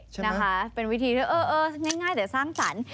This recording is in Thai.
ใช่นะคะเป็นวิธีที่ง่ายแต่สร้างสรรค์